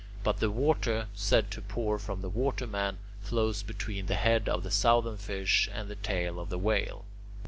But the Water, said to pour from the Waterman, flows between the head of the Southern Fish and the tail of the Whale.